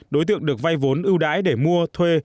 đối tượng được vay vốn ưu đãi để mua thuê